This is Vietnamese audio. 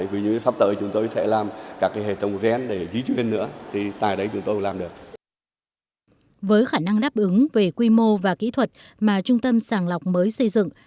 với khả năng đáp ứng về quy mô và kỹ thuật mà trung tâm sàng lọc mới xây dựng